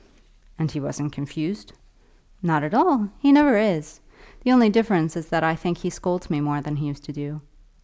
"And he wasn't confused?" "Not at all. He never is. The only difference is that I think he scolds me more than he used to do."